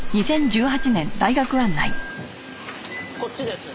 こっちです。